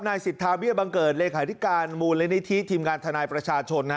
นายศิษฐาวิบังเกิร์ตเลขหาริการมูลละนิทธิศทีมการธนายประชาชน